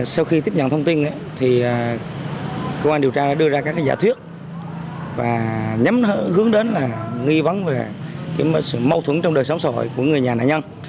sau khi tiếp nhận thông tin thì công an điều tra đưa ra các giả thuyết và nhắm hướng đến là nghi vấn về sự mâu thuẫn trong đời sống xã hội của người nhà nạn nhân